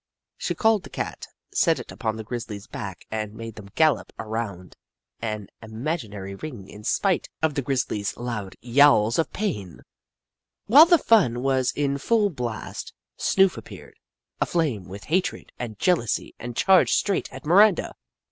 She called the Cat, set it upon the grizzly's back, and made them gallop around an im aginary ring in spite of the grizzly's loud yowls of pain. While the fun was in full blast, Snoof appeared, aflame with hatred 8o The Book of Clever Beasts and jealousy, and charged straight at Mir anda.